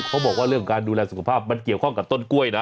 เขาบอกว่าเรื่องการดูแลสุขภาพมันเกี่ยวข้องกับต้นกล้วยนะ